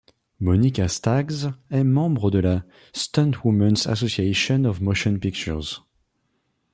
Monica Staggs est membre de la Stuntwomen's Association of Motion Pictures.